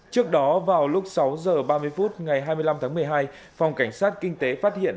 trước đó vào lúc sáu h ba mươi phút ngày hai mươi năm tháng một mươi hai phòng cảnh sát kinh tế phát hiện